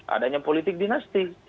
adanya politik dinasti